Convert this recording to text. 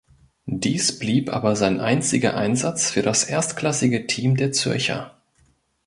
Dies blieb aber sein einziger Einsatz für das erstklassige Team der Zürcher.